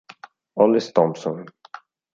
Hollis Thompson